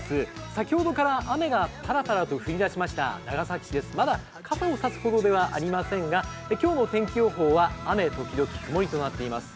先ほどから雨がパラパラと降りだしました長崎市です、まだ傘を差すほどではありませんが今日の天気予報は雨ときどき曇りとなっています。